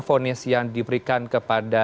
fonis yang diberikan kepada